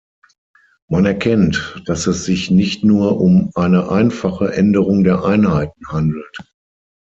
Man erkennt, dass es sich nicht nur um eine einfache Änderung der Einheiten handelt.